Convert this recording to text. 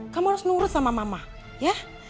kamu harus nurut sama mama ya